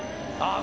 あ